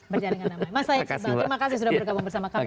dengan namanya mas aik terima kasih sudah berkabung